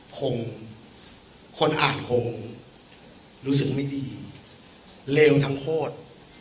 คงคนอ่านคงรู้สึกไม่ดีเลวทั้งโคตร